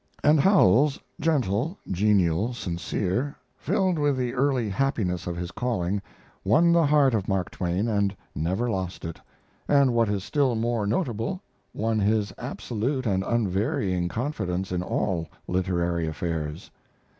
And Howells gentle, genial, sincere filled with the early happiness of his calling, won the heart of Mark Twain and never lost it, and, what is still more notable, won his absolute and unvarying confidence in all literary affairs.